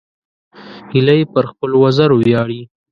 هیلۍ پر خپلو وزرو ویاړي